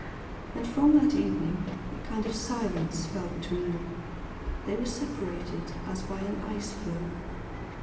And from that evening a kind of silence fell between them, they were separated as by an ice floe.